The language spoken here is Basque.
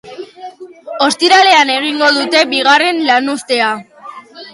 Ostiralean egingo dute bigarren lanuztea.